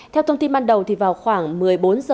theo thông tin ban đầu vào khoảng một mươi bốn h